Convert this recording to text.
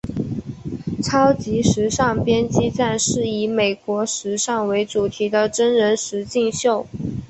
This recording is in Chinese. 超级时尚编辑战是以美国时尚为主题的真人实境秀。